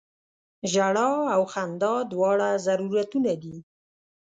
ژړا او خندا دواړه ضرورتونه دي.